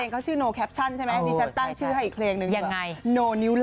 ค่ะเครงเขาชื่อใช่ไหมนี่ฉันตั้งชื่อให้อีกเครงหนึ่งยังไง